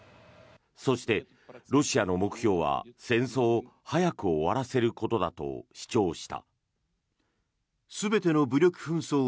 そしてロシアの目標は戦争を早く終わらせることだと主張した。